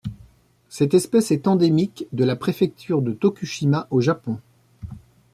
Cette espèce est endémique de la préfecture de Tokushima au Japon.